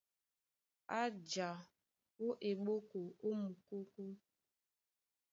A ja ó eɓóko ó mukókó.